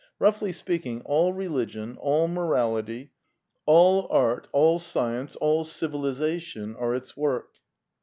Roughly speaking, all religion, all morality, all art, all science, all civilization are its work.